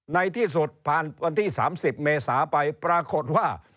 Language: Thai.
ในที่สุดผ่านวันที่๓๐เมษาไปปรากฏว่า